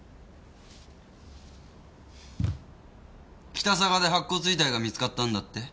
北嵯峨で白骨遺体が見つかったんだって？